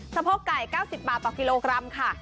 สะโพกไก่๙๐บาทต่อกิโลกรัมค่ะ